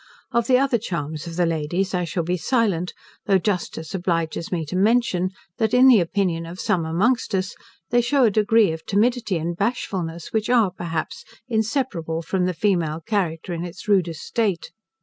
Of the other charms of the ladies I shall be silent, though justice obliges me to mention, that, in the opinion of some amongst us, they shew a degree of timidity and bashfulness, which are, perhaps, inseparable from the female character in its rudest state.